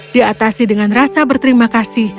dia atasi dengan rasa berterima kasih